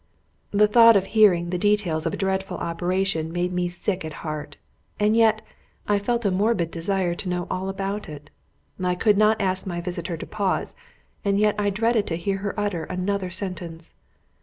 The thought of hearing the details of a dreadful operation made me sick at heart, and yet I felt a morbid desire to know all about it. I could not ask my visitor to pause; and yet I dreaded to hear her utter another sentence.